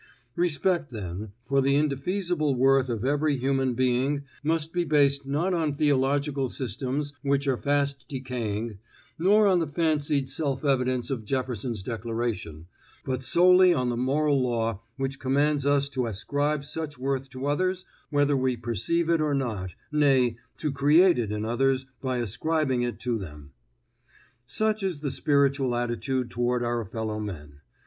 Respect, then, for the indefeasible worth of every human being must be based not on theological systems which are fast decaying, nor on the fancied self evidence of Jefferson's Declaration, but solely on the moral law which commands us to ascribe such worth to others whether we perceive it or not, nay, to create it in others by ascribing it to them. Such is the spiritual attitude toward our fellow men.